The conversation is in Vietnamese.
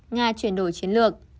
nga chuyển đổi chiến lược